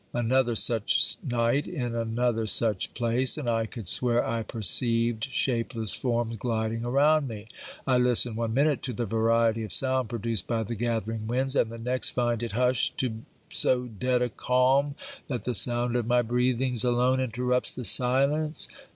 Another such night, in another such place, and I could swear I perceived shapeless forms gliding around me. I listen one minute to the variety of sound produced by the gathering winds; and, the next, find it hushed to so dead a calm, that the sound of my breathings alone interrupts the silence.